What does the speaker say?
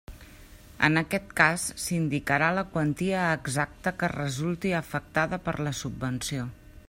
En aquest cas s'indicarà la quantia exacta que resulti afectada per la subvenció.